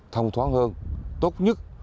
thông thoáng hơn tốt nhất